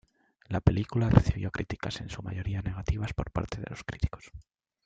La película recibió críticas en su mayoría negativas por parte de los críticos.